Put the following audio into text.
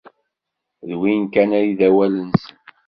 D win kan ay d awal-nsen.